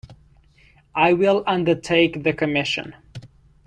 I will undertake the commission.